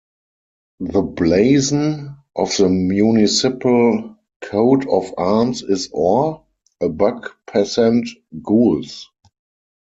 The blazon of the municipal coat of arms is Or, a Buck passant Gules.